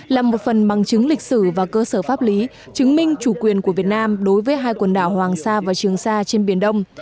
là một phần bằng chứng lịch sử và cơ sở pháp lý chứng minh chủ quyền của việt nam đối với hai quần đảo hoàng sa và trường sa trên biển đông